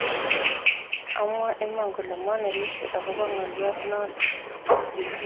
Amwoe iman kole manerechii akoba ngoliot noto